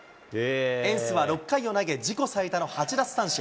エンスは６回を投げ、自己最多の８奪三振。